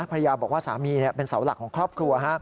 ภรรยาบอกว่าสามีเป็นเสาหลักของครอบครัว